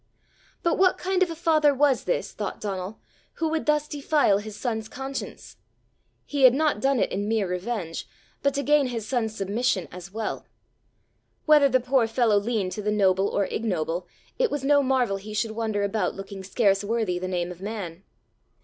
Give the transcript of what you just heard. But what kind of a father was this, thought Donal, who would thus defile his son's conscience! he had not done it in mere revenge, but to gain his son's submission as well! Whether the poor fellow leaned to the noble or ignoble, it was no marvel he should wander about looking scarce worthy the name of man!